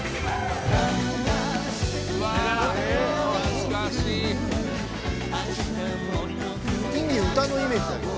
「懐かしい」「キンキ歌のイメージだけど」